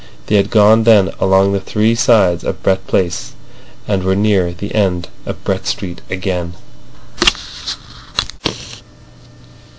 They had gone then along the three sides of Brett Place, and were near the end of Brett Street again.